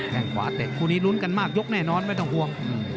แค่งขวาเตะคู่นี้ลุ้นกันมากยกแน่นอนไม่ต้องห่วง